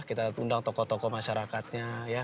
kita tundang tokoh tokoh masyarakatnya ya